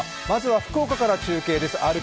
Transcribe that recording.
まずは福岡から中継です。